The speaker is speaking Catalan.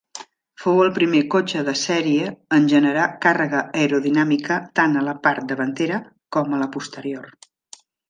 Fou el primer cotxe de sèrie en generar càrrega aerodinàmica tant a la part davantera com a la posterior.